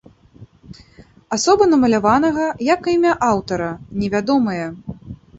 Асоба намаляванага, як і імя аўтара, невядомыя.